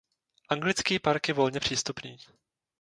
Anglický park je volně přístupný.